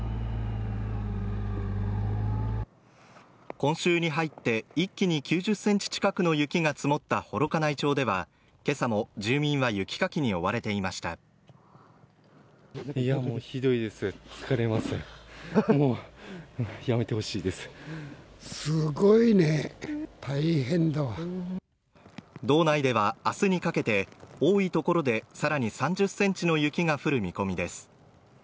今週に入って一気に９０センチ近くの雪が積もった幌加内町では今朝も住民は雪かきに追われていました道内ではあすにかけて多い所でさらに３０センチの雪が降る見込みです